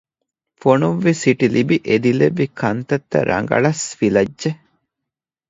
ފޮނުއްވި ސިޓި ލިބި އެދިލެއްވި ކަންތައްތައް ރަގަޅަސް ފިލައްޖެ